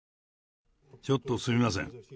ちょっとすみません。